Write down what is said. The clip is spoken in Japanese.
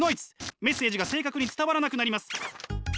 メッセージが正確に伝わらなくなります。